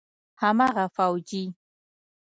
هماغه فوجي.